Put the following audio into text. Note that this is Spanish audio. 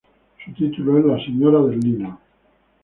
Su título es la "Señora del lino".